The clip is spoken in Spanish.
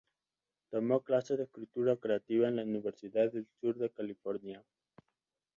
Tomó clases de escritura creativa en la Universidad del Sur de California.